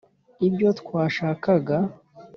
ibyo twashakaga.